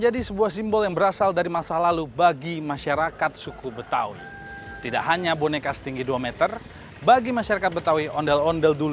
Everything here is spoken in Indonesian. dikenal sebagai ondel ondel